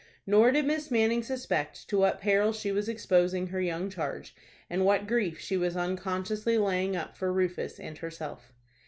Nor did Miss Manning suspect to what peril she was exposing her young charge, and what grief she was unconsciously laying up for Rufus and herself.